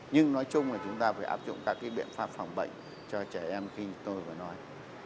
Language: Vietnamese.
nhưng nói chung là chúng ta phải áp dụng các biện pháp phòng bệnh cho trẻ em khi tôi vừa nói